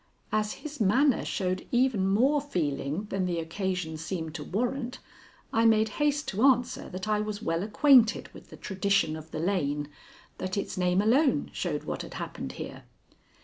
As his manner showed even more feeling than the occasion seemed to warrant, I made haste to answer that I was well acquainted with the tradition of the lane; that its name alone showed what had happened here.